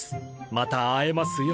また会えますよ。